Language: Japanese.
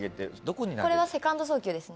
これはセカンド送球ですね。